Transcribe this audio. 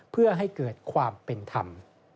เพื่อให้เกิดความเป็นธรรม